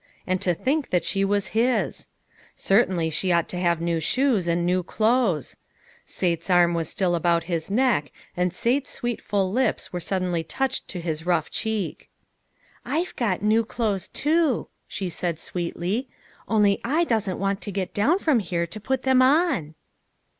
And to think that she was his ! Certainly she ought to have new shoes, and new clothes. Sate's arm was still about his neck,, and Sate's sweet full lips were suddenly touched to his rough cheek. " I've got new clothes too," she said sweetly, " only I doesn't want to get down from here to put them on."